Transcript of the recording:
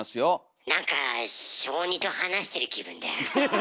なんか小２と話してる気分だ。